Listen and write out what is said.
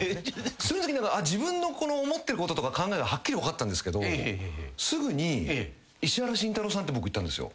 そんとき自分の思ってることとか考えがはっきり分かったんですけどすぐに石原慎太郎さんって僕言ったんですよ。